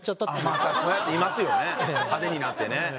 ハデになってね。